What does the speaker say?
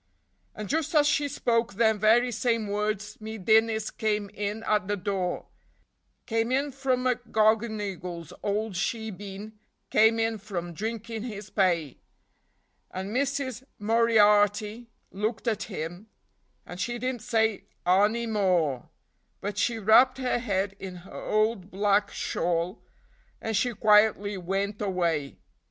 And just as she spoke them very same words me Dinnis came in at the door, Came in from McGonigle's ould shebeen, came in from drinkin' his pay; And Missis Moriarty looked at him, and she didn't say anny more, But she wrapped her head in her ould black shawl, and she quietly wint away.